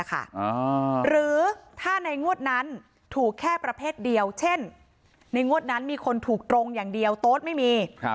หรือถ้าในงวดนั้นถูกแค่ประเภทเดียวเช่นในงวดนั้นมีคนถูกตรงอย่างเดียวโต๊ดไม่มี